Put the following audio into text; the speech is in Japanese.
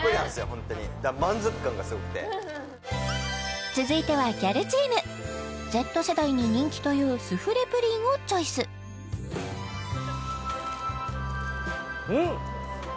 ホントにだから満足感がすごくて続いてはギャルチームＺ世代に人気というスフレ・プリンをチョイスどう？